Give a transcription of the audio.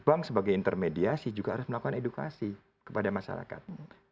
bank sebagai intermediasi juga harus melakukan edukasi kepada masyarakat